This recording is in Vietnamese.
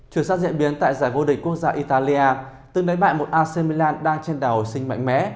chuyển sát diễn biến tại giải vô địch quốc gia italia từng đánh bại một arsenal đang trên đảo hồi sinh mạnh mẽ